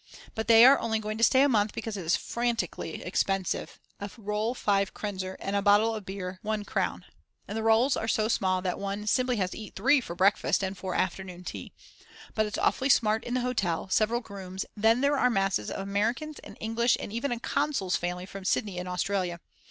But they are only going to stay a month because it is frantically expensive, a roll 5 krenzer and a bottle of beer 1 crown. And the rolls are so small that one simply has to eat 3 for breakfast and for afternoon tea. But it's awfully smart in the hotel, several grooms; then there are masses of Americans and English and even a consul's family from Sydney in Australia.